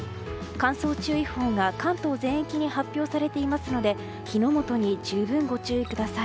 乾燥注意報が関東全域に発表されていますので火の元に十分ご注意ください。